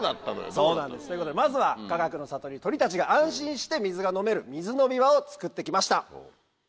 そうなんですということでまずはかがくの里に鳥たちが安心して水が飲める水飲み場を作って来ました。